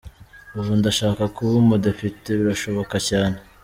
Ubu ndashaka kuba umudepite, birashoboka cyane’.